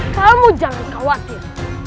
kamu jangan khawatir